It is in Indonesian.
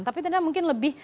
tapi tidak mungkin lebih